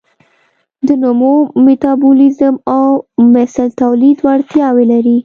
د نمو، میتابولیزم او مثل تولید وړتیاوې لري.